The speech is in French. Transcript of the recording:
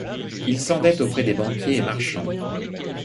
Il s'endette auprès de banquiers et marchands.